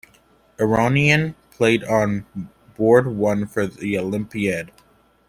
Aronian played on board one for the Olympiad.